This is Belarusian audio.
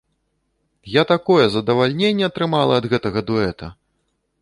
Я такое задавальненне атрымала ад гэтага дуэта!